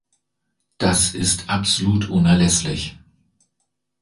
Das ist absolut unerlässlich.